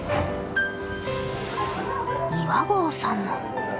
岩合さんも。